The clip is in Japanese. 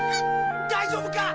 大丈夫か！？